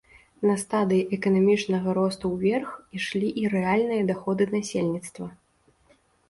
На стадыі эканамічнага росту ўверх ішлі і рэальныя даходы насельніцтва.